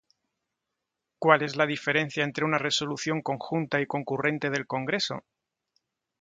¿Cuál es la diferencia entre una resolución conjunta y concurrente del Congreso?